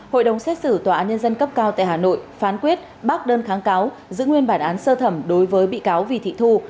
hội đồng xét xử tòa án nhân dân cấp cao tại hà nội phán quyết bác đơn kháng cáo giữ nguyên bản án sơ thẩm đối với bị cáo vì thị thu